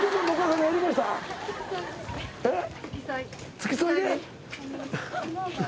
付き添いで？